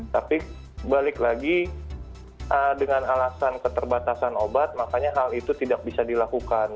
tapi balik lagi dengan alasan keterbatasan obat makanya hal itu tidak bisa dilakukan